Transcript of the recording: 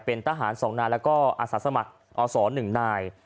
เป็นทหาร๒นายแล้วก็อาสาสมัครอส๑นาย